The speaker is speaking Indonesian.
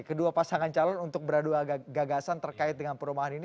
kedua pasangan calon untuk beradu gagasan terkait dengan perumahan ini